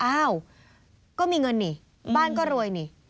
อ้าวก็มีเงินนี่บ้านก็รวยนี่